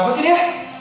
kenapa sih dia